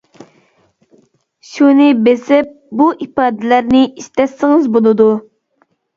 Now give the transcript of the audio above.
شۇنى بېسىپ بۇ ئىپادىلەرنى ئىشلەتسىڭىز بولىدۇ.